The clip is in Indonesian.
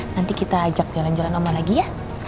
nanti kita ajak jalan jalan lama lagi ya